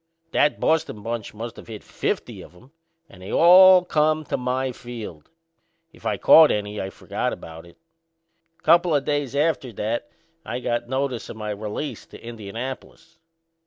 That Boston bunch must of hit fifty of 'em and they all come to my field. If I caught any I've forgot about it. Couple o' days after that I got notice o' my release to Indianapolis.